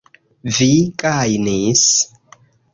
Vi gajnis!